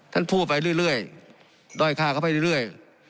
ท่านพูดไปเรื่อยเรื่อยด้อยค่าก็ไปเรื่อยเรื่อย